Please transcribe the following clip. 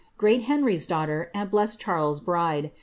Great Henrjr^s daughter, and blest Charleses bride